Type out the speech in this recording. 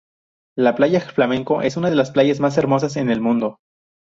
La Playa Flamenco es una de las playas más hermosas en el mundo.